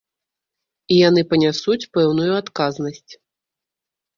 І яны панясуць пэўную адказнасць.